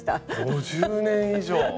５０年以上！